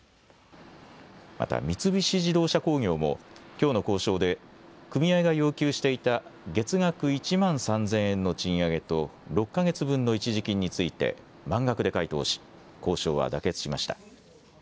また三菱自動車工業もきょうの交渉で組合が要求していた月額１万３０００円の賃上げと６か月分の一時金について満額で回答し交渉は妥結しました。